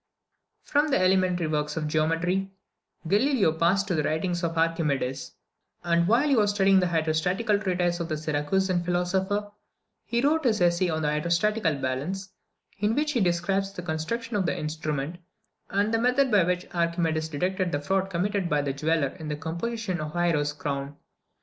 From the elementary works of geometry, Galileo passed to the writings of Archimedes; and while he was studying the hydrostatical treatise of the Syracusan philosopher, he wrote his essay on the hydrostatical balance, in which he describes the construction of the instrument, and the method by which Archimedes detected the fraud committed by the jeweller in the composition of Hiero's crown.